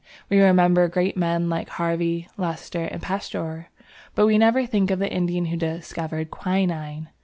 We remember great men like Harvey, Lister, and Pasteur, but we never think of the Indian who discovered quinine.